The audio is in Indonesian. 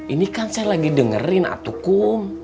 ini kan saya lagi dengerin atukum